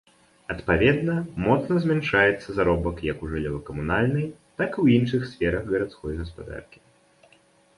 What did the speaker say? Адпаведна, моцна змяншаецца заробак як у жыллёва-камунальнай, так і ў іншых сферах гарадской гаспадаркі.